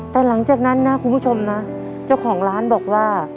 แต่หลังจากนั้นนะคุณผู้ชมนะเจ้าของร้านบอกว่า